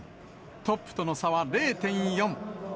トップとの差は０．４。